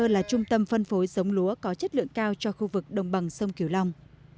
cần thơ là trung tâm phân phối sống lúa có chất lượng cao cho khu vực đồng bằng sông cửu long